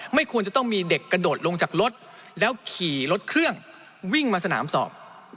ไม่ควรจะต้องมีเด็กกระโดดลงจากรถแล้วขี่รถเครื่องวิ่งมาสนามสอบ